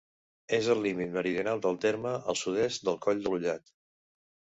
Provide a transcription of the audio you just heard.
És al límit meridional del terme, al sud-est del Coll de l'Ullat.